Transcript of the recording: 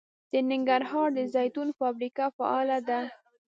د ننګرهار د زیتون فابریکه فعاله ده.